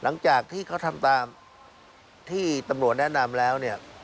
หลังจากที่เขาทำตามที่ตำรวจแนะนำแล้วเนี่ย